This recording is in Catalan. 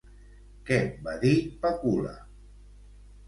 Què va dir Pacul·la?